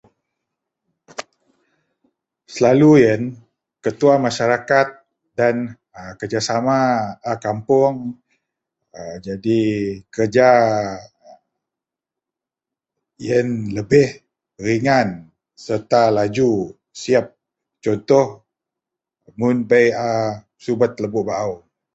Selalu iyen ketua masyarakat dan kerjasama a kapuong, jadi kerja iyen lebih ringan serta laju siyep contoh mun bei a subet lebok baou.